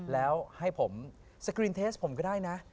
แล้วให้ผมสกรีนเทสผมก็ได้นะ